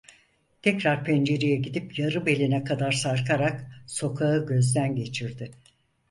Tekrar pencereye gidip yarı beline kadar sarkarak sokağı gözden geçirdi.